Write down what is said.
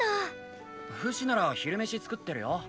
フシなら昼メシ作ってるよ。